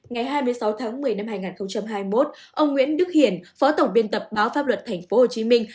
ngày hai mươi sáu tháng một mươi năm hai nghìn hai mươi một ông nguyễn đức hiển phó tổng biên tập báo pháp luật thành phố hồ chí minh